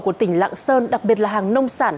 của tỉnh lạng sơn đặc biệt là hàng nông sản